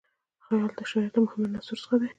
خیال د شعر له مهمو عنصرو څخه دئ.